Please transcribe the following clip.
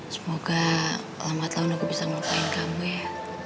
semoga selamat tahun aku bisa ngelupain kamu ya